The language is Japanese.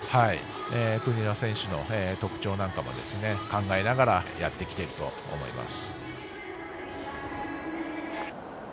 国枝選手の特徴なんかも考えながらやってきていると思います。